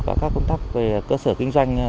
và các công tác về cơ sở kinh doanh